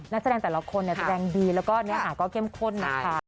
นักแสดงแต่ละคนแสดงดีแล้วก็เกมข้น